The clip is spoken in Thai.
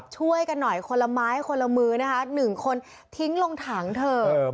ช่วยกันหน่อยคนละไม้คนละมือนะคะ๑คนทิ้งลงถังเถอะ